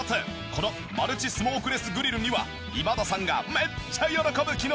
このマルチスモークレスグリルには今田さんがめっちゃ喜ぶ機能があるんです！